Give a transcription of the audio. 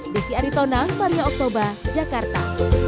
desi aritonang maria oktoba jakarta